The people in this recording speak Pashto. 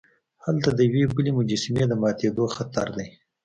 هلته د یوې بلې مجسمې د ماتیدو خطر دی.